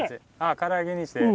から揚げにして？